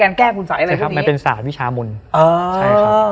และวันนี้แขกรับเชิญที่จะมาเยี่ยมในรายการสถานีผีดุของเรา